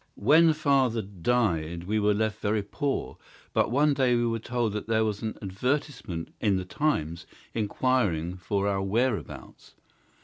When father died we were left very poor, but one day we were told that there was an advertisement in the TIMES inquiring for our whereabouts.